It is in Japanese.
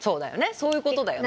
そういうことだよね。